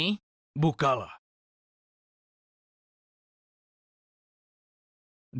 dan sekarang ayah ingin kalian mematahkan setiap tongkat ini